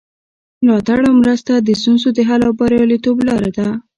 ملاتړ او مرسته د ستونزو د حل او بریالیتوب لاره ده.